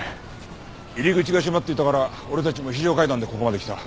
入り口が閉まっていたから俺たちも非常階段でここまで来た。